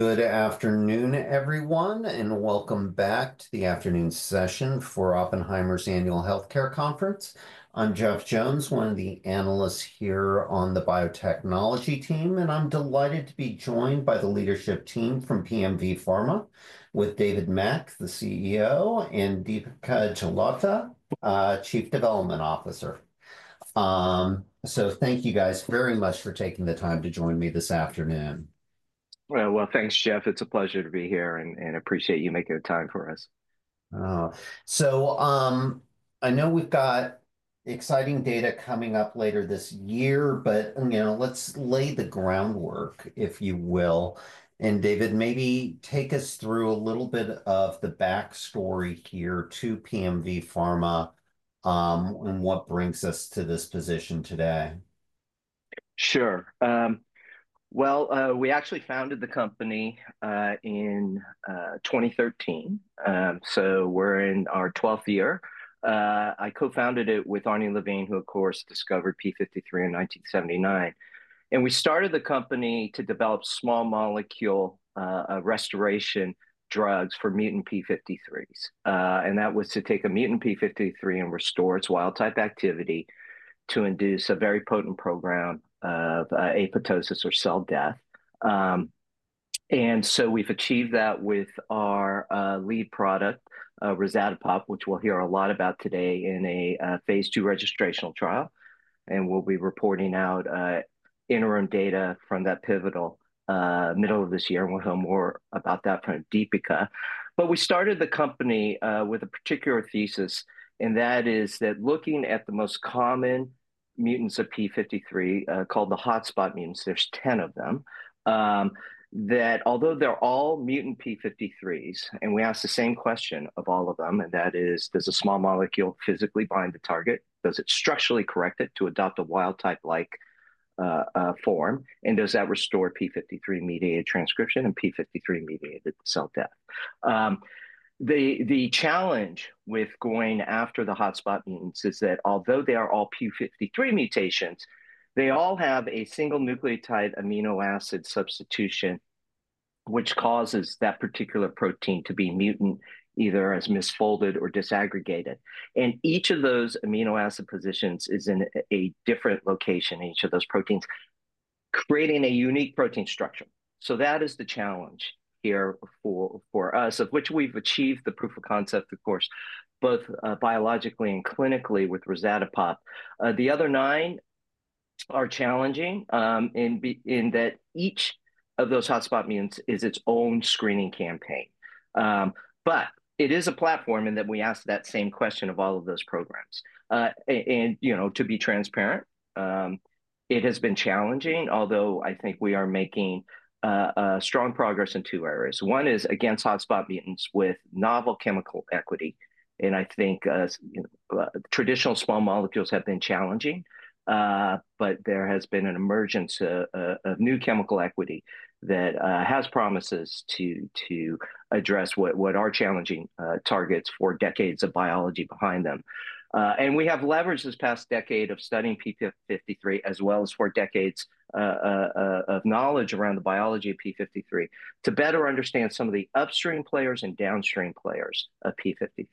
Good afternoon, everyone, and welcome back to the afternoon session for Oppenheimer's Annual Healthcare Conference. I'm Jeff Jones, one of the analysts here on the biotechnology team, and I'm delighted to be joined by the leadership team from PMV Pharma, with David Mack, the CEO, and Deepika Jalota, Chief Development Officer. Thank you guys very much for taking the time to join me this afternoon. Thanks, Jeff. It's a pleasure to be here, and I appreciate you making the time for us. I know we've got exciting data coming up later this year, but let's lay the groundwork, if you will. David, maybe take us through a little bit of the backstory here to PMV Pharma and what brings us to this position today. Sure. We actually founded the company in 2013, so we're in our 12th year. I co-founded it with Arnold Levine, who, of course, discovered p53 in 1979. We started the company to develop small molecule restoration drugs for mutant p53s. That was to take a mutant p53 and restore its wild-type activity to induce a very potent program of apoptosis, or cell death. We've achieved that with our lead product, rezatapopt, which we'll hear a lot about today in a Phase 2 registrational trial. We'll be reporting out interim data from that pivotal middle of this year, and we'll hear more about that from Deepika. We started the company with a particular thesis, and that is that looking at the most common mutants of p53, called the hotspot mutants, there's 10 of them, that although they're all mutant p53s, and we asked the same question of all of them, and that is, does a small molecule physically bind the target? Does it structurally correct it to adopt a wild-type-like form? And does that restore p53-mediated transcription and p53-mediated cell death? The challenge with going after the hotspot mutants is that although they are all p53 mutations, they all have a single nucleotide amino acid substitution, which causes that particular protein to be mutant, either as misfolded or disaggregated. Each of those amino acid positions is in a different location in each of those proteins, creating a unique protein structure. That is the challenge here for us, of which we've achieved the proof of concept, of course, both biologically and clinically with rezatapopt. The other nine are challenging in that each of those hotspot mutants is its own screening campaign. It is a platform in that we ask that same question of all of those programs. To be transparent, it has been challenging, although I think we are making strong progress in two areas. One is against hotspot mutants with novel chemical equity. I think traditional small molecules have been challenging, but there has been an emergence of new chemical equity that has promises to address what are challenging targets for decades of biology behind them. We have leveraged this past decade of studying p53, as well as four decades of knowledge around the biology of p53, to better understand some of the upstream players and downstream players of p53.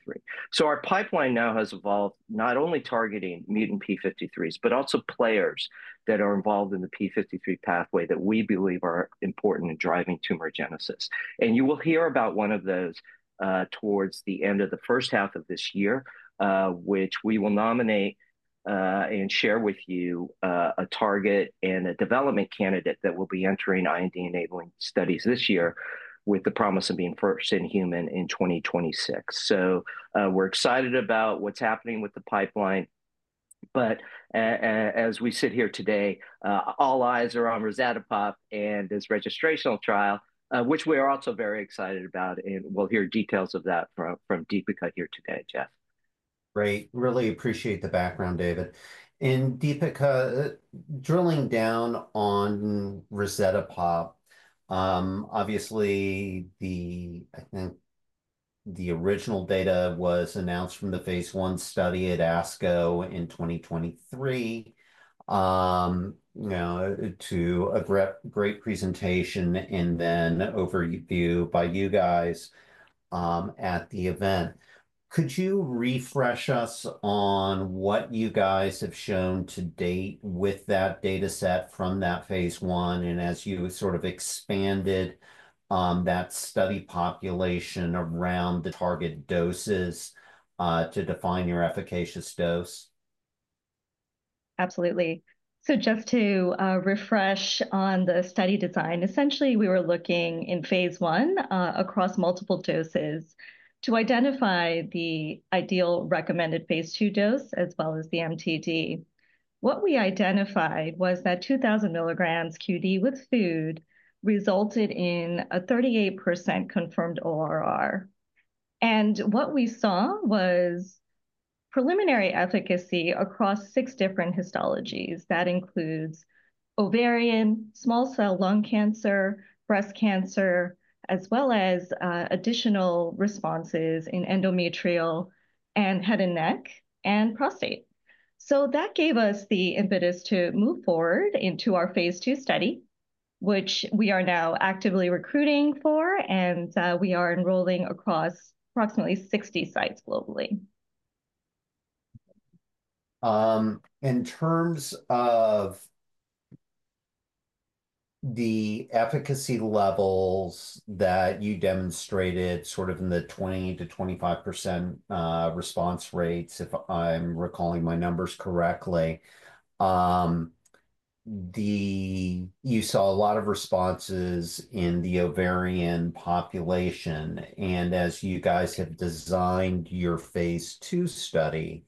Our pipeline now has evolved not only targeting mutant p53s, but also players that are involved in the p53 pathway that we believe are important in driving tumorigenesis. You will hear about one of those towards the end of the first half of this year, which we will nominate and share with you a target and a development candidate that will be entering IND-enabling studies this year, with the promise of being first in human in 2026. We are excited about what is happening with the pipeline. As we sit here today, all eyes are on rezatapopt and its registrational trial, which we are also very excited about. We'll hear details of that from Deepika here today, Jeff. Great. Really appreciate the background, David. Deepika, drilling down on rezatapopt, obviously, I think the original data was announced from the Phase 1 study at ASCO in 2023, to a great presentation and then overview by you guys at the event. Could you refresh us on what you guys have shown to date with that data set from that Phase 1 and as you sort of expanded that study population around the target doses to define your efficacious dose? Absolutely. Just to refresh on the study design, essentially, we were looking in Phase 1 across multiple doses to identify the ideal recommended Phase 2 dose, as well as the MTD. What we identified was that 2,000 mg QD with food resulted in a 38% confirmed ORR. What we saw was preliminary efficacy across six different histologies. That includes ovarian, small cell lung cancer, breast cancer, as well as additional responses in endometrial and head and neck and prostate. That gave us the impetus to move forward into our Phase 2 study, which we are now actively recruiting for, and we are enrolling across approximately 60 sites globally. In terms of the efficacy levels that you demonstrated sort of in the 20%-25% response rates, if I'm recalling my numbers correctly, you saw a lot of responses in the ovarian population. As you guys have designed your Phase 2 study,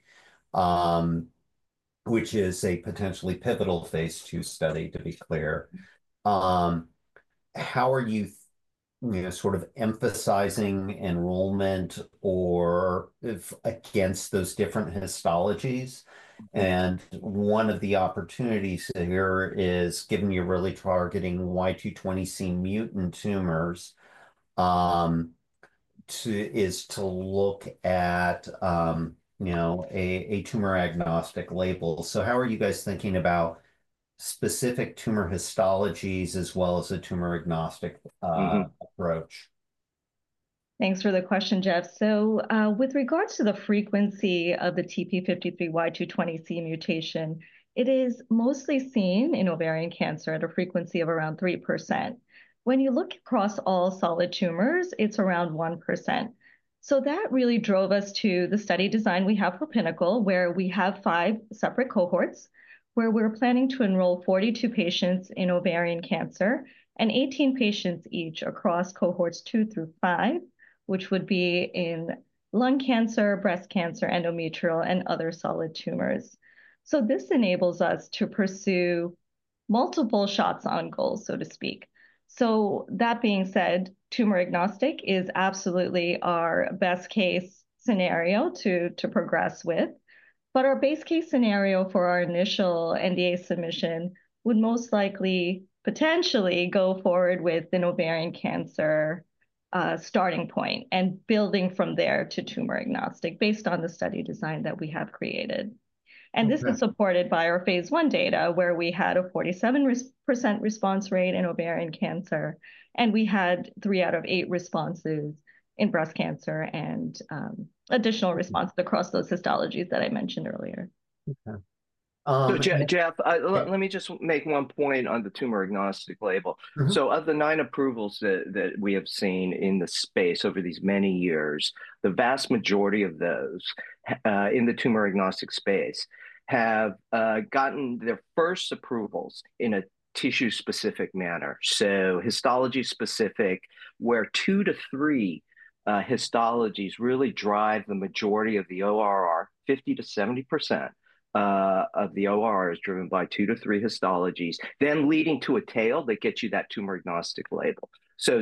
which is a potentially pivotal Phase 2 study, to be clear, how are you sort of emphasizing enrollment against those different histologies? One of the opportunities here is, given you're really targeting Y220C mutant tumors, is to look at a tumor-agnostic label. How are you guys thinking about specific tumor histologies as well as a tumor-agnostic approach? Thanks for the question, Jeff. With regards to the frequency of the TP53 Y220C mutation, it is mostly seen in ovarian cancer at a frequency of around 3%. When you look across all solid tumors, it's around 1%. That really drove us to the study design we have for PYNNACLE, where we have five separate cohorts, where we're planning to enroll 42 patients in ovarian cancer and 18 patients each across cohorts two through five, which would be in lung cancer, breast cancer, endometrial, and other solid tumors. This enables us to pursue multiple shots on goal, so to speak. That being said, tumor-agnostic is absolutely our best-case scenario to progress with. Our base-case scenario for our initial NDA submission would most likely potentially go forward with an ovarian cancer starting point and building from there to tumor-agnostic based on the study design that we have created. This is supported by our Phase 1 data, where we had a 47% response rate in ovarian cancer, and we had three out of eight responses in breast cancer and additional responses across those histologies that I mentioned earlier. Okay. Jeff, let me just make one point on the tumor-agnostic label. Of the nine approvals that we have seen in the space over these many years, the vast majority of those in the tumor-agnostic space have gotten their first approvals in a tissue-specific manner, so histology-specific, where two to three histologies really drive the majority of the ORR. 50%-70% of the ORR is driven by two to three histologies, leading to a tail that gets you that tumor-agnostic label.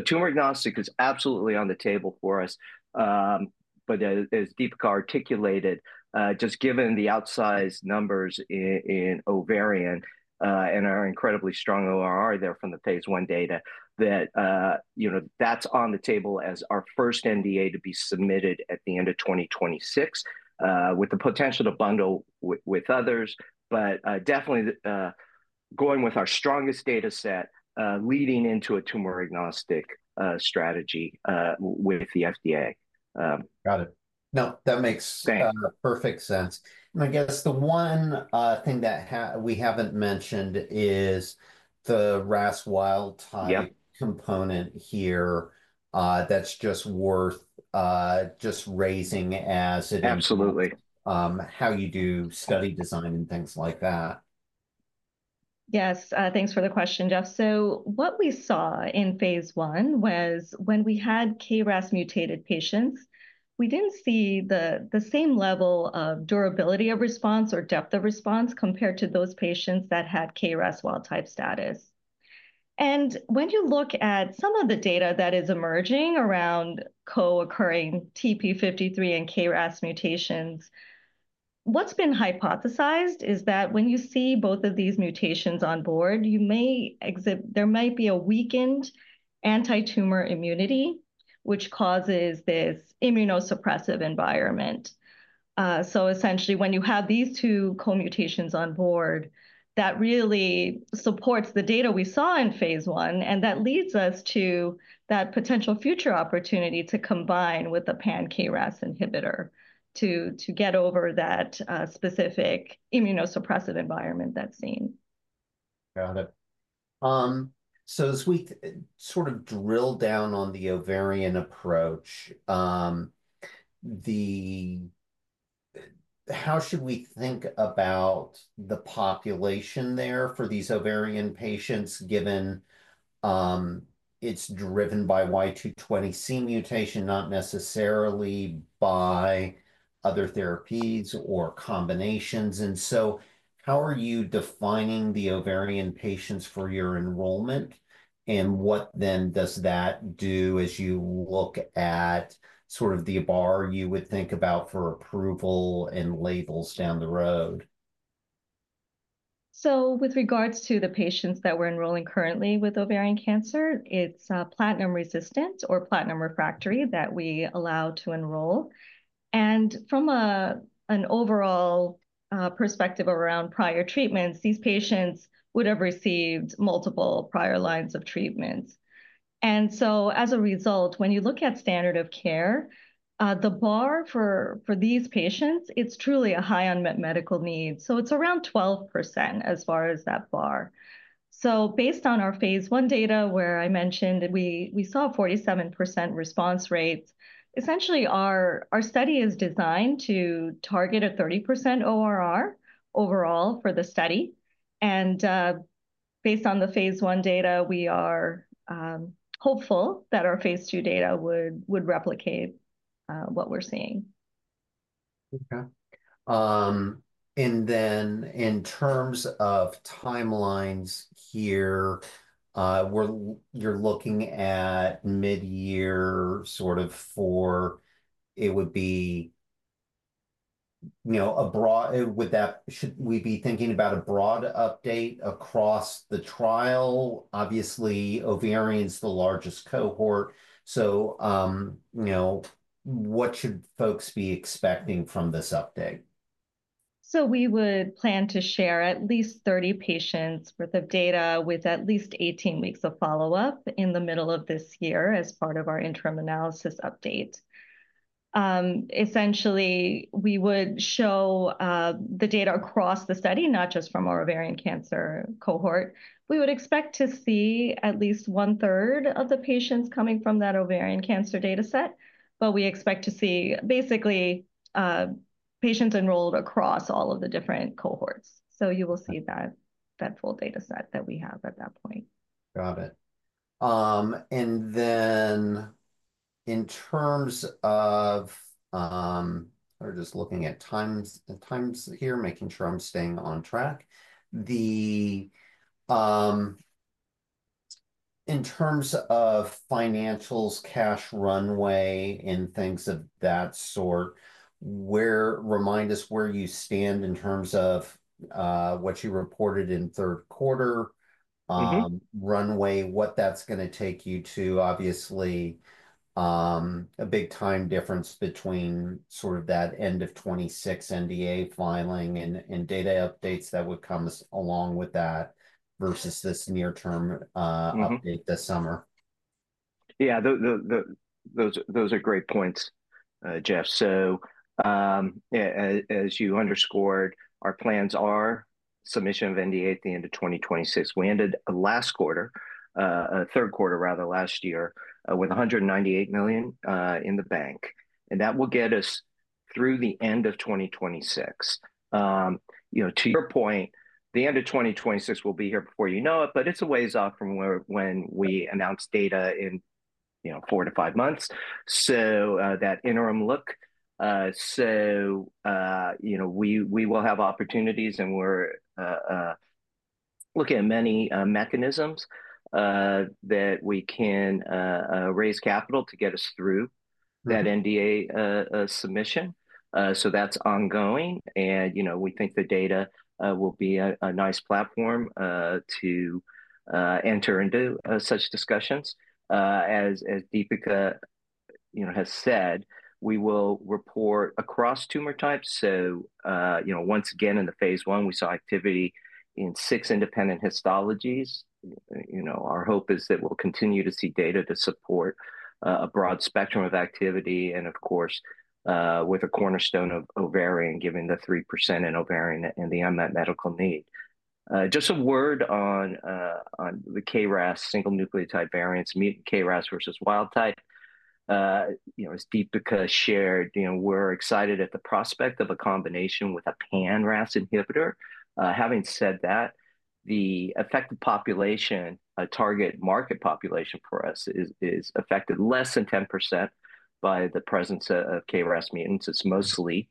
Tumor-agnostic is absolutely on the table for us. As Deepika articulated, just given the outsized numbers in ovarian and our incredibly strong ORR there from the Phase 1 data, that is on the table as our first NDA to be submitted at the end of 2026, with the potential to bundle with others. Definitely going with our strongest data set, leading into a tumor-agnostic strategy with the FDA. Got it. No, that makes perfect sense. I guess the one thing that we haven't mentioned is the KRAS wild-type component here that's just worth just raising as it is how you do study design and things like that. Yes. Thanks for the question, Jeff. What we saw in Phase 1 was when we had KRAS-mutated patients, we did not see the same level of durability of response or depth of response compared to those patients that had KRAS wild-type status. When you look at some of the data that is emerging around co-occurring TP53 and KRAS mutations, what has been hypothesized is that when you see both of these mutations on board, there might be a weakened anti-tumor immunity, which causes this immunosuppressive environment. Essentially, when you have these two co-mutations on board, that really supports the data we saw in Phase 1, and that leads us to that potential future opportunity to combine with a pan-KRAS inhibitor to get over that specific immunosuppressive environment that is seen. Got it. As we sort of drill down on the ovarian approach, how should we think about the population there for these ovarian patients, given it's driven by Y220C mutation, not necessarily by other therapies or combinations? How are you defining the ovarian patients for your enrollment? What then does that do as you look at sort of the bar you would think about for approval and labels down the road? With regards to the patients that we're enrolling currently with ovarian cancer, it's platinum-resistant or platinum-refractory that we allow to enroll. From an overall perspective around prior treatments, these patients would have received multiple prior lines of treatment. As a result, when you look at standard of care, the bar for these patients, it's truly a high unmet medical need. It's around 12% as far as that bar. Based on our Phase 1 data, where I mentioned we saw a 47% response rate, essentially, our study is designed to target a 30% ORR overall for the study. Based on the Phase 1 data, we are hopeful that our Phase 2 data would replicate what we're seeing. Okay. In terms of timelines here, you're looking at mid-year sort of for it. Would it be a broad—should we be thinking about a broad update across the trial? Obviously, ovarian is the largest cohort. What should folks be expecting from this update? We would plan to share at least 30 patients' worth of data with at least 18 weeks of follow-up in the middle of this year as part of our interim analysis update. Essentially, we would show the data across the study, not just from our ovarian cancer cohort. We would expect to see at least one-third of the patients coming from that ovarian cancer data set. We expect to see, basically, patients enrolled across all of the different cohorts. You will see that full data set that we have at that point. Got it. In terms of we're just looking at times here, making sure I'm staying on track. In terms of financials, cash runway, and things of that sort, remind us where you stand in terms of what you reported in third quarter runway, what that's going to take you to. Obviously, a big time difference between sort of that end of 2026 NDA filing and data updates that would come along with that versus this near-term update this summer. Yeah. Those are great points, Jeff. As you underscored, our plans are submission of NDA at the end of 2026. We ended last quarter, third quarter, rather, last year with $198 million in the bank. That will get us through the end of 2026. To your point, the end of 2026 will be here before you know it, but it's a ways off from when we announce data in four to five months, that interim look. We will have opportunities, and we're looking at many mechanisms that we can raise capital to get us through that NDA submission. That's ongoing. We think the data will be a nice platform to enter into such discussions. As Deepika has said, we will report across tumor types. Once again, in the Phase 1, we saw activity in six independent histologies. Our hope is that we'll continue to see data to support a broad spectrum of activity. Of course, with a cornerstone of ovarian, given the 3% in ovarian and the unmet medical need. Just a word on the KRAS single nucleotide variants, mutant KRAS versus wild-type, as Deepika shared, we're excited at the prospect of a combination with a pan-RAS inhibitor. Having said that, the effective population, target market population for us, is affected less than 10% by the presence of KRAS mutants. It's mostly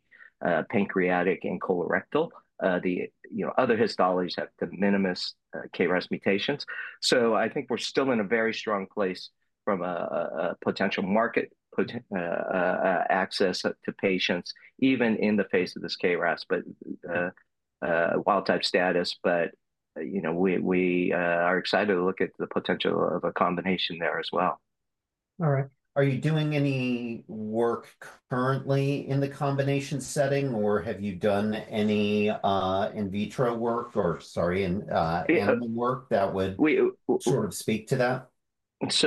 pancreatic and colorectal. The other histologies have de minimis KRAS mutations. I think we're still in a very strong place from a potential market access to patients, even in the face of this KRAS wild-type status. We are excited to look at the potential of a combination there as well. All right. Are you doing any work currently in the combination setting, or have you done any in vitro work or, sorry, animal work that would sort of speak to that?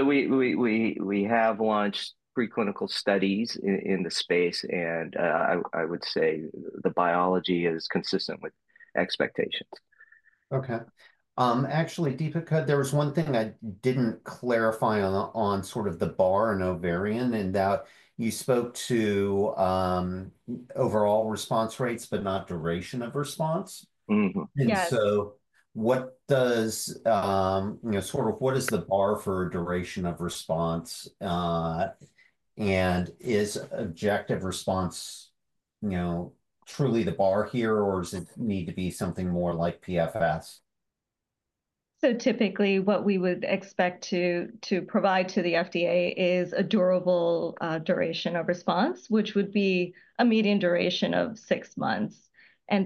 We have launched preclinical studies in the space, and I would say the biology is consistent with expectations. Okay. Actually, Deepika, there was one thing I didn't clarify on sort of the bar in ovarian, and that you spoke to overall response rates, but not duration of response. What is the bar for duration of response? Is objective response truly the bar here, or does it need to be something more like PFS? Typically, what we would expect to provide to the FDA is a durable duration of response, which would be a median duration of six months.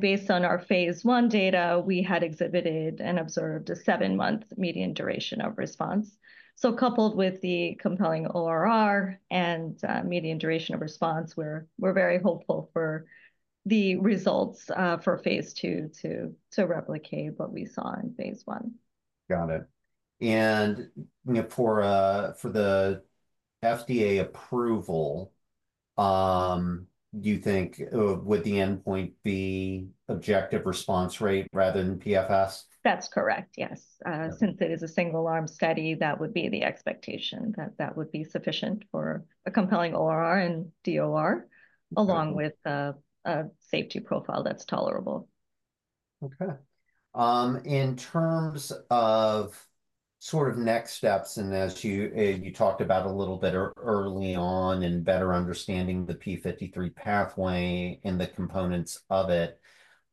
Based on our Phase 1 data, we had exhibited and observed a seven-month median duration of response. Coupled with the compelling ORR and median duration of response, we're very hopeful for the results for Phase 2 to replicate what we saw in Phase 1. Got it. For the FDA approval, do you think would the endpoint be objective response rate rather than PFS? That's correct, yes. Since it is a single-arm study, that would be the expectation that that would be sufficient for a compelling ORR and DOR, along with a safety profile that's tolerable. Okay. In terms of sort of next steps, and as you talked about a little bit early on in better understanding the p53 pathway and the components of it,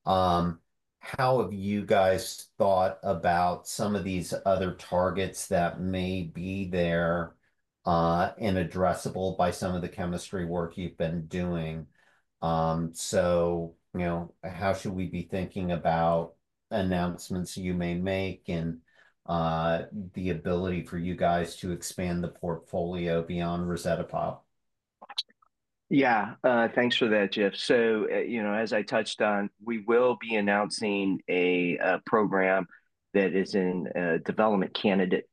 how have you guys thought about some of these other targets that may be there and addressable by some of the chemistry work you've been doing? How should we be thinking about announcements you may make and the ability for you guys to expand the portfolio beyond rezatapopt? Yeah. Thanks for that, Jeff. As I touched on, we will be announcing a program that is in development candidate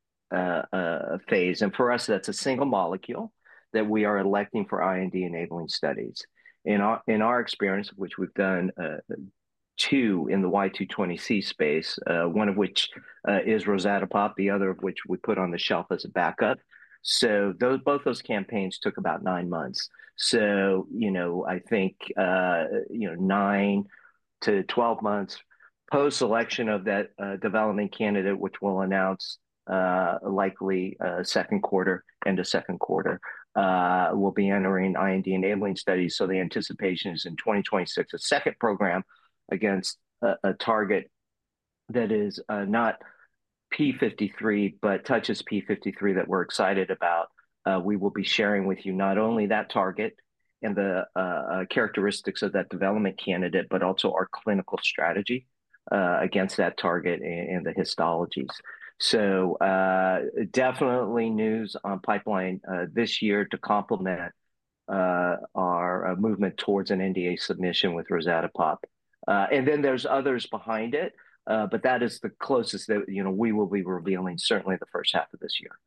phase. For us, that's a single molecule that we are electing for IND-enabling studies. In our experience, which we've done two in the Y220C space, one of which is rezatapopt, the other of which we put on the shelf as a backup. Both those campaigns took about nine months. I think 9-12 months post-election of that development candidate, which we'll announce likely second quarter and the second quarter, we'll be entering IND-enabling studies. The anticipation is in 2026, a second program against a target that is not p53 but touches p53 that we're excited about. We will be sharing with you not only that target and the characteristics of that development candidate, but also our clinical strategy against that target and the histologies. Definitely news on pipeline this year to complement our movement towards an NDA submission with rezatapopt. There are others behind it, but that is the closest that we will be revealing certainly the first half of this year.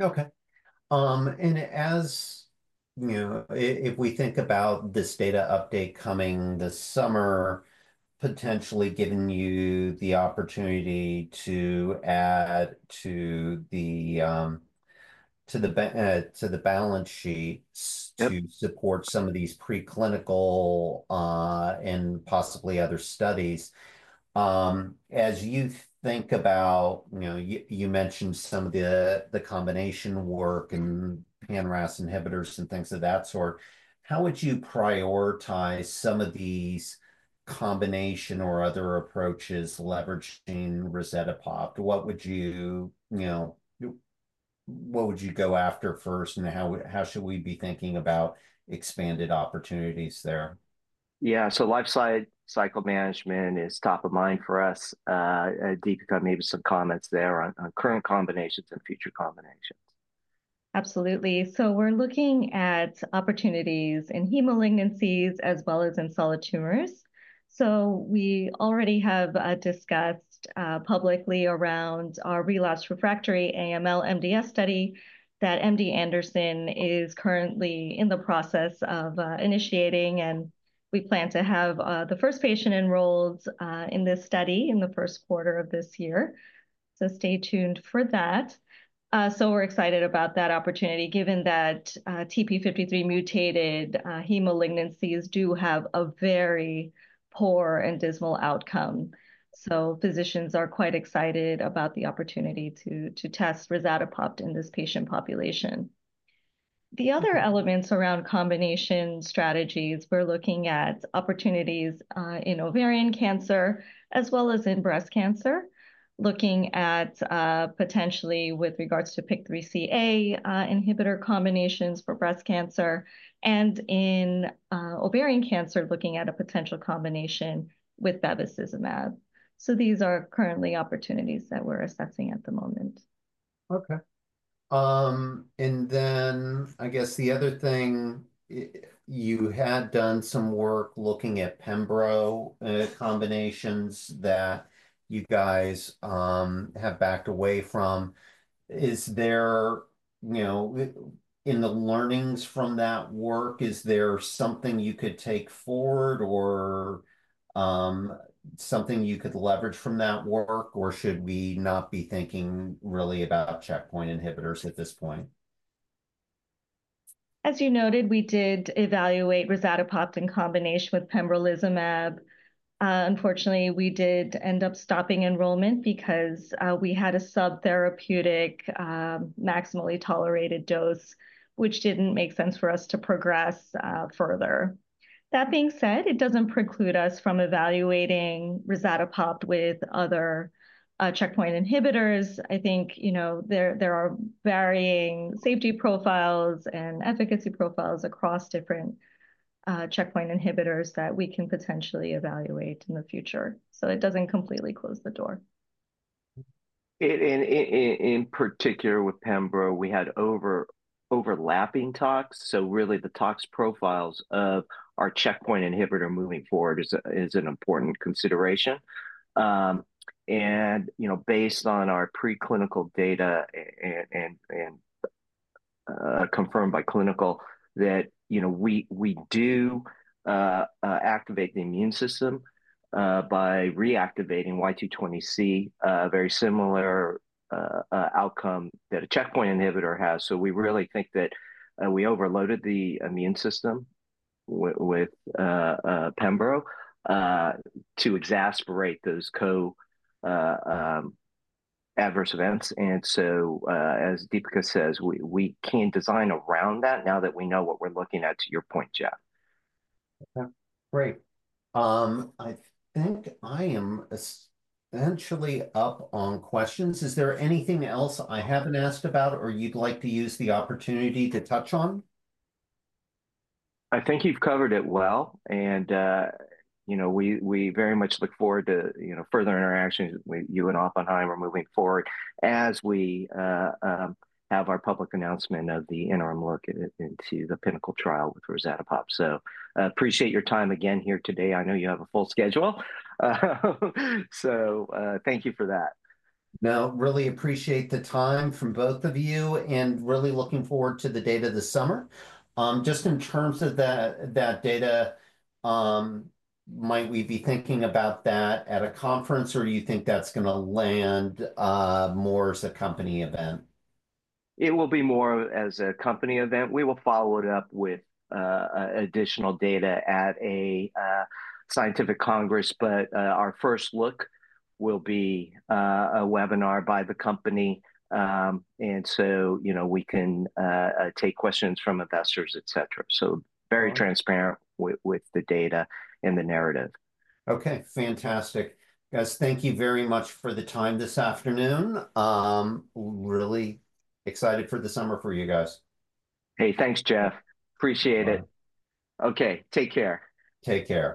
Okay. If we think about this data update coming this summer, potentially giving you the opportunity to add to the balance sheet to support some of these preclinical and possibly other studies, as you think about you mentioned some of the combination work and pan-RAS inhibitors and things of that sort, how would you prioritize some of these combination or other approaches leveraging rezatapopt? What would you go after first, and how should we be thinking about expanded opportunities there? Yeah. Lifecycle management is top of mind for us. Deepika, maybe some comments there on current combinations and future combinations. Absolutely. We are looking at opportunities in heme malignancies as well as in solid tumors. We already have discussed publicly around our relapsed refractory AML-MDS study that MD Anderson is currently in the process of initiating, and we plan to have the first patient enrolled in this study in the first quarter of this year. Stay tuned for that. We are excited about that opportunity, given that TP53 mutated heme malignancies do have a very poor and dismal outcome. Physicians are quite excited about the opportunity to test rezatapopt in this patient population. The other elements around combination strategies, we are looking at opportunities in ovarian cancer as well as in breast cancer, looking at potentially with regards to PIK3CA inhibitor combinations for breast cancer, and in ovarian cancer, looking at a potential combination with bevacizumab. These are currently opportunities that we are assessing at the moment. Okay. I guess the other thing, you had done some work looking at pembro combinations that you guys have backed away from. In the learnings from that work, is there something you could take forward or something you could leverage from that work, or should we not be thinking really about checkpoint inhibitors at this point? As you noted, we did evaluate rezatapopt in combination with pembrolizumab. Unfortunately, we did end up stopping enrollment because we had a subtherapeutic maximum tolerated dose, which did not make sense for us to progress further. That being said, it does not preclude us from evaluating rezatapopt with other checkpoint inhibitors. I think there are varying safety profiles and efficacy profiles across different checkpoint inhibitors that we can potentially evaluate in the future. It does not completely close the door. In particular, with pembro, we had overlapping tox. Really, the tox profiles of our checkpoint inhibitor moving forward is an important consideration. Based on our preclinical data and confirmed by clinical that we do activate the immune system by reactivating Y220C, a very similar outcome that a checkpoint inhibitor has. We really think that we overloaded the immune system with pembro to exasperate those co-adverse events. As Deepika says, we can design around that now that we know what we're looking at, to your point, Jeff. Okay. Great. I think I am essentially up on questions. Is there anything else I haven't asked about or you'd like to use the opportunity to touch on? I think you've covered it well. We very much look forward to further interactions with you and Oppenheimer moving forward as we have our public announcement of the interim look into the PYNNACLE trial with rezatapopt. I appreciate your time again here today. I know you have a full schedule. Thank you for that. No, really appreciate the time from both of you and really looking forward to the data this summer. Just in terms of that data, might we be thinking about that at a conference, or do you think that's going to land more as a company event? It will be more as a company event. We will follow it up with additional data at a scientific congress, but our first look will be a webinar by the company. We can take questions from investors, et cetera. Very transparent with the data and the narrative. Okay. Fantastic. Guys, thank you very much for the time this afternoon. Really excited for the summer for you guys. Hey, thanks, Jeff. Appreciate it. Okay. Take care. Take care.